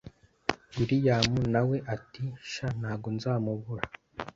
william nawe ati sha ntago nzamubura